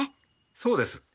そうです。